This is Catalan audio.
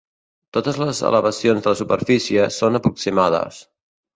Totes les elevacions de la superfície són aproximades.